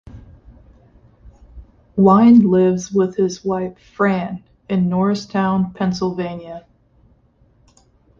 Wine lives with his wife, Fran, in Norristown, Pennsylvania.